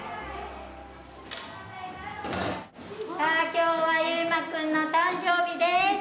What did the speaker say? さあ今日は唯真くんの誕生日です！